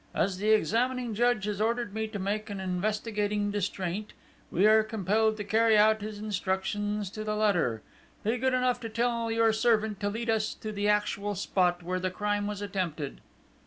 As the examining judge has ordered me to make an investigating distraint, we are compelled to carry out his instructions to the letter. Be good enough to tell your servant to lead us to the actual spot where the crime was attempted."